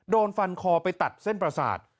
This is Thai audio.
โดนฟันคอไปตัดเส้นประสาท